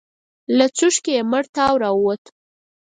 له څوښکي يې مړ تاو راووت.